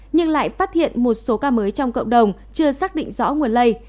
nhưng lại phát hiện một số ca mới trong cộng đồng chưa xác định rõ nguồn lây